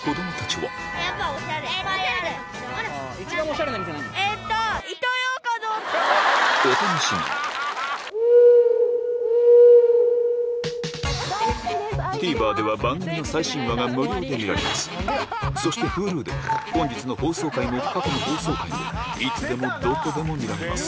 そんなお楽しみにＴＶｅｒでは番組の最新話が無料で見られますそしてＨｕｌｕでは本日の放送回も過去の放送回もいつでもどこでも見られます